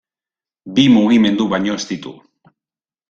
Bi mugimendu baino ez ditu.